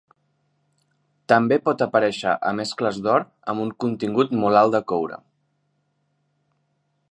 També pot aparèixer a mescles d"or amb un contingut molt alt de coure.